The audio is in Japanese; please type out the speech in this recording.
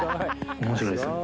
面白いですね